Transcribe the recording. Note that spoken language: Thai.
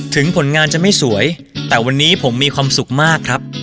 ผลงานจะไม่สวยแต่วันนี้ผมมีความสุขมากครับ